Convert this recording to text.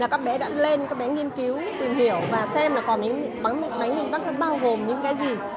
các bé đã lên các bé nghiên cứu tìm hiểu và xem quà bánh miền bắc bao gồm những cái gì